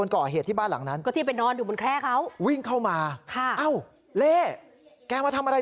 แกมาทำไง